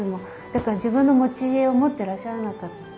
だから自分の持ち家を持ってらっしゃらなかった。